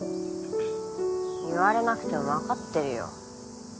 言われなくても分かってるよ。